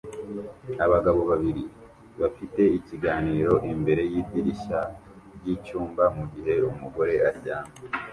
Abagabo babiri bafite ikiganiro imbere yidirishya ryicyumba mugihe umugore aryamye